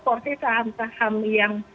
porsi saham saham yang